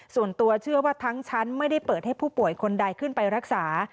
ส่วนตัวเชื่อว่าทั้งชั้นไม่ได้เปิดให้ผู้ป่วยคนใดขึ้นไปรักษา